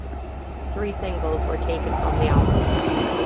Three singles were taken from the album.